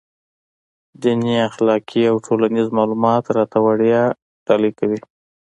دیني، اخلاقي او ټولنیز معلومات راته وړيا ډالۍ کوي.